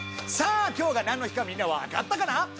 さあ今日が何の日かみんなわかったかな？